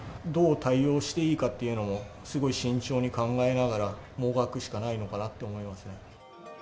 どう対応していいかっていうのも、すごい慎重に考えながら、もがくしかないのかなって思いますね。